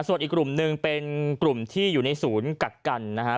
ส่วนอีกกลุ่มหนึ่งเป็นกลุ่มที่อยู่ในศูนย์กักกันนะฮะ